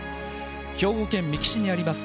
兵庫県三木市にあります